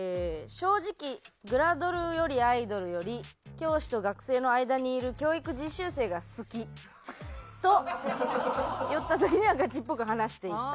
「正直グラドルよりアイドルより教師と学生の間にいる教育実習生が好き」と酔った時にはガチっぽく話していた。